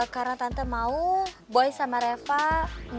karena tante mau boy sama reva gak deket deket sama gue